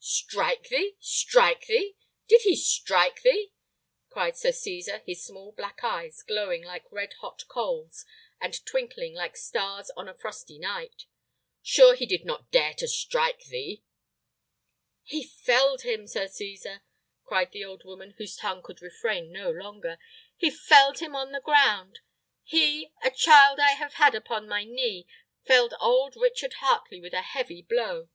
"Strike thee! strike thee! Did he strike thee?" cried Sir Cesar, his small black eyes glowing like red hot coals, and twinkling like stars on a frosty night. "Sure he did not dare to strike thee?" "He felled him, Sir Cesar," cried the old woman, whose tongue could refrain no longer; "he felled him to the ground. He, a child I have had upon my knee, felled old Richard Heartley with a heavy blow!"